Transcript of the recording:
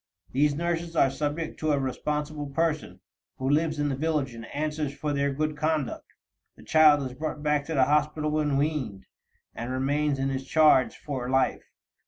These nurses are subject to a responsible person, who lives in the village and answers for their good conduct. The child is brought back to the hospital when weaned, and remains in its charge for life.